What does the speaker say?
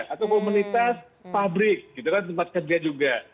atau komunitas pabrik gitu kan tempat kerja juga